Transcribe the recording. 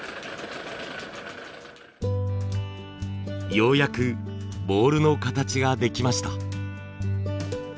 ようやくボウルの形ができました。